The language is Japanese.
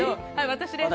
私です